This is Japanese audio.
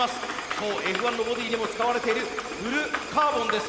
そうＦ１のボディーにも使われているフルカーボンです。